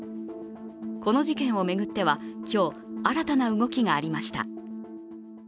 この事件を巡っては今日新たな動きがありました。